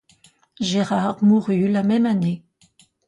Gérard mourut la même année.